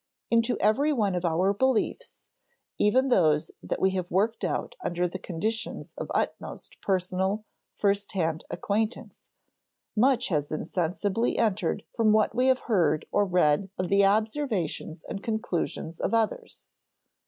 Into every one of our beliefs, even those that we have worked out under the conditions of utmost personal, first hand acquaintance, much has insensibly entered from what we have heard or read of the observations and conclusions of others.